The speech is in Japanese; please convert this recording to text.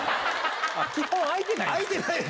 基本開いてない。